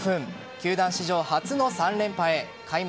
球団史上初の３連覇へ開幕